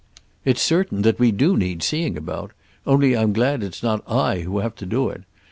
"It's certain that we do need seeing about; only I'm glad it's not I who have to do it.